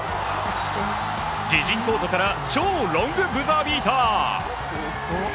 自陣コートから超ロングブザービーター。